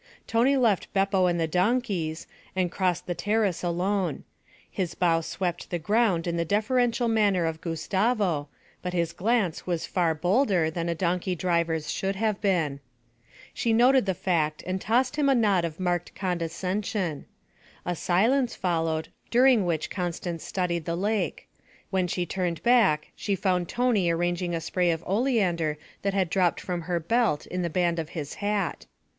Tony left Beppo and the donkeys, and crossed the terrace alone. His bow swept the ground in the deferential manner of Gustavo, but his glance was far bolder than a donkey driver's should have been. She noted the fact and tossed him a nod of marked condescension. A silence followed, during which Constance studied the lake; when she turned back, she found Tony arranging a spray of oleander that had dropped from her belt in the band of his hat.